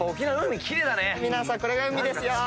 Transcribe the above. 皆さんこれが海ですよ。